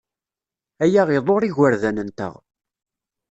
Aya iḍurr igerdan-nteɣ.